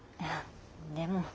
でも。